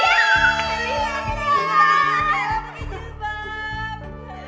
iyadah pakai jilbab